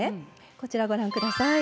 こちらをご覧ください